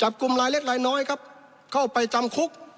กลุ่มรายเล็กรายน้อยครับเข้าไปจำคุก